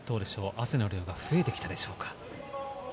汗の量が増えてきたでしょうか。